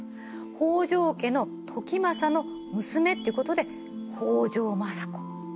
北条家の時政の娘っていうことで北条政子。